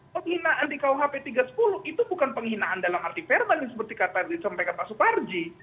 penghinaan di kau hp tiga puluh itu bukan penghinaan dalam arti verbal seperti kata soparji